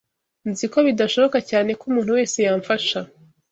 Nzi ko bidashoboka cyane ko umuntu wese yamfasha.